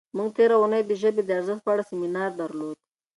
موږ تېره اونۍ د ژبې د ارزښت په اړه سیمینار درلود.